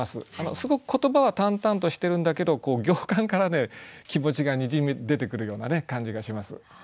すごく言葉は淡々としてるんだけど行間からね気持ちがにじみ出てくるような感じがします。